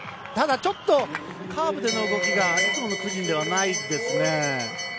ただ、ちょっとカーブでの動きがいつものクジンではないですね。